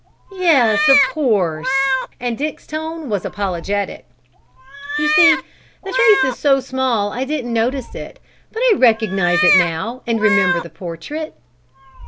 "Yes, of course!" And Dick's tone was apologetic. "You see the face is so small I didn't notice it, but I recognize it now and remember the portrait."